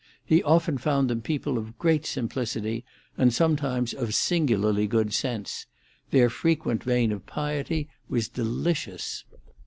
He often found them people of great simplicity, and sometimes of singularly good sense; their frequent vein of piety was delicious.